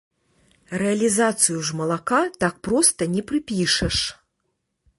Рэалізацыю ж малака так проста не прыпішаш.